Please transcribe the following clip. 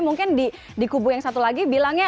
mungkin di kubu yang satu lagi bilangnya